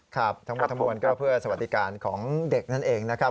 ครับทั้งหมดทั้งมวลก็เพื่อสวัสดิการของเด็กนั่นเองนะครับ